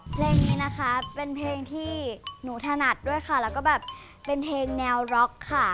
เพลงนี้นะคะเป็นเพลงที่หนูถนัดด้วยค่ะแล้วก็แบบเป็นเพลงแนวร็อกค่ะ